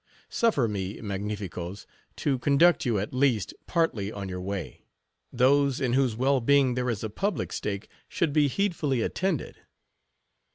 Suffer me, magnificoes, to conduct you, at least, partly on your way. Those in whose well being there is a public stake, should be heedfully attended."